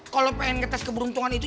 kalau pengen ngetes keberuntungan itu